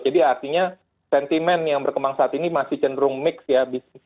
jadi artinya sentimen yang berkembang saat ini masih cenderung mix ya